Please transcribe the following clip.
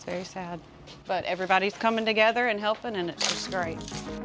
semua orang datang bersama dan membantu dan itu sangat bagus